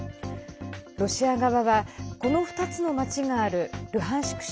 ロシア側は、この２つの町があるルハンシク